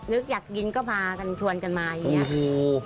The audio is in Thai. อยากกินก็พากันชวนกันมาอย่างนี้